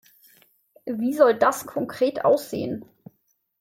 Wie soll das konkret aussehen?